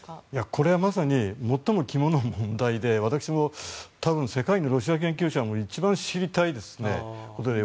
これはまさに最も肝の問題で私も多分、世界のロシア研究者も一番知りたいことですね。